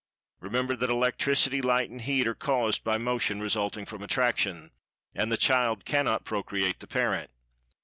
Remember that Electricity, Light and Heat are caused by Motion resulting from Attraction, and the child cannot procreate the parent.